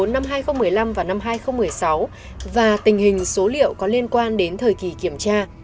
năm hai nghìn một mươi năm và năm hai nghìn một mươi sáu và tình hình số liệu có liên quan đến thời kỳ kiểm tra